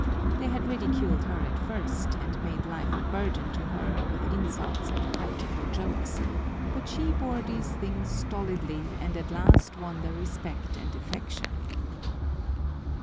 They had ridiculed her at first, and made life a burden to her with insults and practical jokes, but she bore these things stolidly and at last won their respect and affection.